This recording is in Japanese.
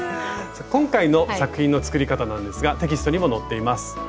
今回の作品の作り方なんですがテキストにも載っています。